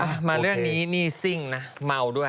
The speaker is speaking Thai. หมาเรื่องนี้นี่ซิ่งนะ